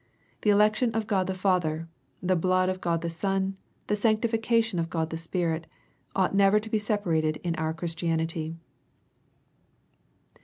The election of God the Father, the blood of God the Son, and the sanctification of God the Spirit, ought never to be separated in our Christianity.